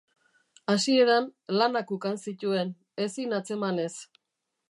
Hasieran, lanak ukan zituen, ezin atzemanez.